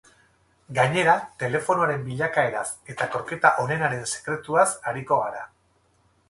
Gainera, telefonoaren bilakaeraz eta kroketa onenaren sekretuaz ariko gara.